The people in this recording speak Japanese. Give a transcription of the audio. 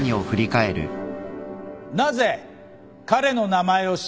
なぜ彼の名前を知ってる？